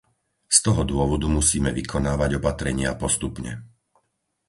Z toho dôvodu musíme vykonávať opatrenia postupne.